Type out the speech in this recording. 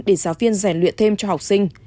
để giáo viên giải luyện thêm cho học sinh